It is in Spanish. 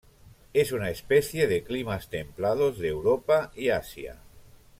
Es una especie de climas templados de Europa y Asia.